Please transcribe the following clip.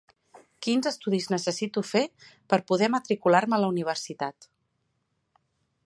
Quins estudis necessito fer per poder matricular-me a la universitat?